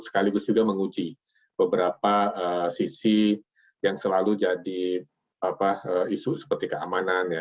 sekaligus juga menguji beberapa sisi yang selalu jadi isu seperti keamanan